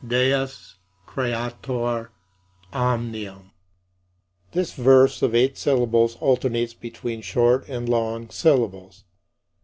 35. Deus Creator omnium: this verse of eight syllables alternates between short and long syllables.